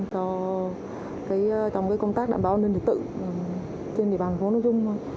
trong công tác đảm bảo an ninh địa tự trên địa bàn của chúng